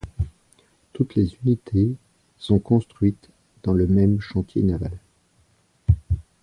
Toutes les unités sont construites dans le même chantier naval.